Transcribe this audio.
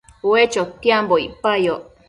Ue chotiambo icpayoc